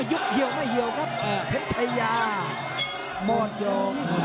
ตีนแบบซ้ายแล้ว